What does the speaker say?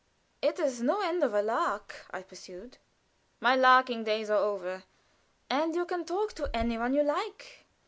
"It is no end of a lark," I pursued. "My larking days are over." "And you can talk to any one you like."